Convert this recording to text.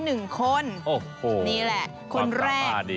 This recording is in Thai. โอ้โฮความสามารถดีนี่แหละคนแรก